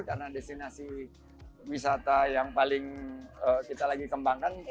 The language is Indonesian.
karena destinasi wisata yang paling kita lagi kembangkan